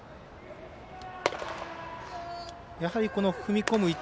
やはり、踏み込む位置